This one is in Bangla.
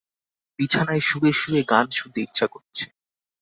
বিছানায় শুয়ে-শুয়ে গান শুনতে ইচ্ছা করছে।